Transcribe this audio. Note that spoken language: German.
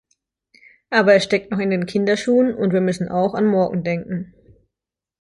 Aber er steckt noch in den Kinderschuhen, und wir müssen auch an morgen denken.